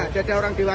sedada orang dewa